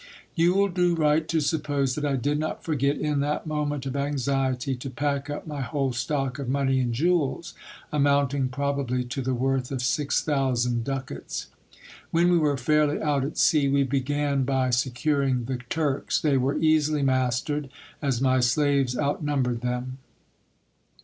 You will do right to suppose, that I did not forget, in that moment of anxiety, to pack up my whole stock of money and jewels, amounting probably to the worth of six thousand ducats. When we were fairly out at sea, we began by securing the Turks. They were easily mastered, as my slaves outnumbered them.